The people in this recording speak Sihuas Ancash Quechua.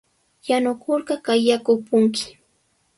Yanunarqa kay yaku upunki.